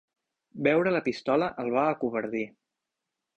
Veure la pistola el va acovardir.